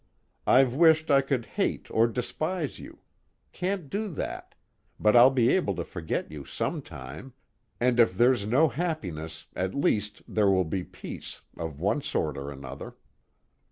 I've wished I could hate or despise you can't do that, but I'll be able to forget you sometime, and if there's no happiness at least there will be peace, of one sort or another.